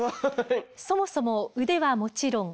そもそも腕はもちろん